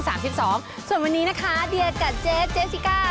ส่วนวันนี้นะคะเดียกับเจ๊เจสสิก้า